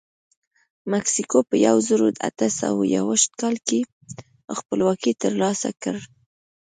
مکسیکو په یو زرو اته سوه یوویشت کال کې خپلواکي ترلاسه کړه.